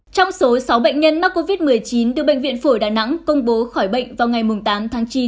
trong số sáu bệnh nhân mắc covid một mươi chín được bệnh viện phổi đà nẵng công bố khỏi bệnh vào ngày tám tháng chín